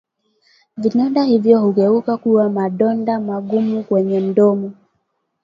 Vidonda hivyo hugeuka kuwa madonda magumu kwenye mdomo